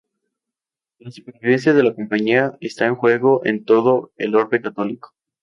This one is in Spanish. La supervivencia de la Compañía está en juego en todo el orbe católico.